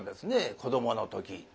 子どもの時。